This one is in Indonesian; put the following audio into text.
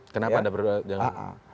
kenapa ada berdoa jangan dia